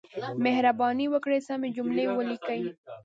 مهرباني وکړئ سمې جملې ولیکئ.